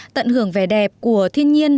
tận hưởng vẻ đẹp của thiên nhiên